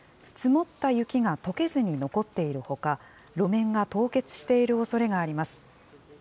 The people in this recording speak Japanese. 積もった雪がとけずに残っているほか、路面が凍結しているおそれがあります。